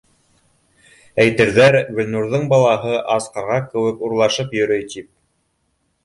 Әйтерҙәр, Гөлнурҙың балаһы ас ҡарға кеүек урлашып йөрөй, тип.